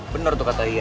bener tuh kata ia